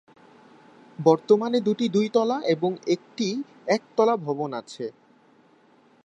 বর্তমানে দুটি দুই তলা এবং তিনটি এক তলা ভবন আছে।